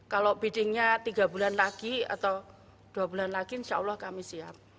kalau biddingnya tiga bulan lagi atau dua bulan lagi insya allah kami siap